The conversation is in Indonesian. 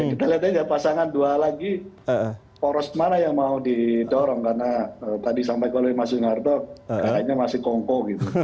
kita lihat aja pasangan dua lagi poros mana yang mau didorong karena tadi sampai kalau mas udina artok akhirnya masih kongkong gitu